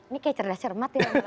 ini kayak cerdas cermat ya